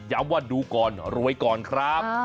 ว่าดูก่อนรวยก่อนครับ